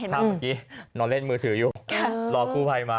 เมื่อกี้นอนเล่นมือถืออยู่รอกู้ภัยมา